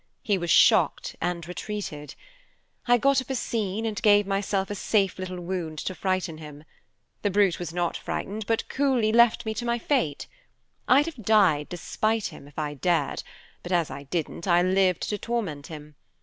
He was shocked, and retreated. I got up a scene, and gave myself a safe little wound, to frighten him. The brute was not frightened, but coolly left me to my fate. I'd have died to spite him, if I dared, but as I didn't, I lived to torment him.